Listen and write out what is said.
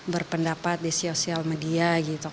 berpendapat di sosial media